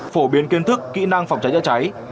phổ biến kiến thức kỹ năng phòng cháy chữa cháy